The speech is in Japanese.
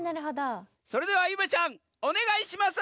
それではゆめちゃんおねがいします！